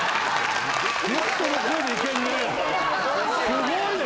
すごいね。